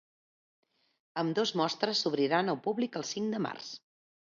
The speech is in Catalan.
Ambdós mostres s’obriran al públic el cinc de març.